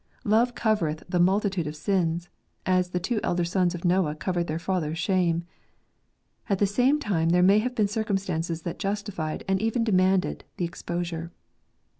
Love covereth the multitude of sins, as the two elder sons of Noah covered their father's shame. At the same time there may have been circumstances that justified, and even demanded, the exposure.